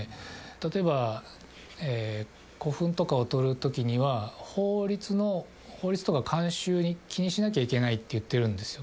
例えば古墳とかを取るときには法律とか慣習に気にしなきゃいけないって言ってるんですよ